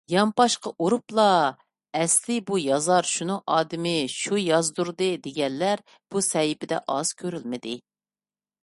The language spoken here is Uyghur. يانپاشقا ئۇرۇپلا ئەسلىي بۇ يازار شۇنىڭ ئادىمى، شۇ يازدۇردى، دېگەنلەر بۇ سەھىپىدە ئاز كۆرۈلمىدى.